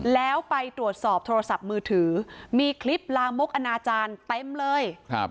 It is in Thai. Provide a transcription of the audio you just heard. แล้วไปตรวจสอบโทรศัพท์มือถือมีคลิปลามกอนาจารย์เต็มเลย